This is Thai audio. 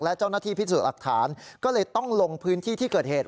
และเจ้าหน้าที่พิสูจน์หลักฐานก็เลยต้องลงพื้นที่ที่เกิดเหตุ